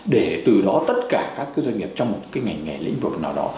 để từ đó tất cả các cái doanh nghiệp trong một cái ngành nghề lĩnh vực nào đó